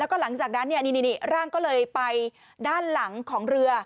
แล้วก็หลังจากนั้นเนี่ยนี่นี่นี่ร่างก็เลยไปด้านหลังของเรือ